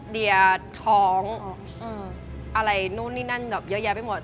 เดียท้องอะไรนู่นนี่นั่นแบบเยอะแยะไปหมด